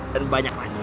dan banyak lagi